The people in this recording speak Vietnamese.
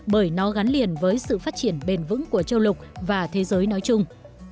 bởi nó gắn liền với sự phát triển bền vững của châu lục và thế giới nói chung